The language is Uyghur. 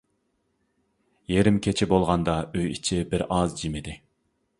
يېرىم كېچە بولغاندا ئۆي ئىچى بىر ئاز جىمىدى.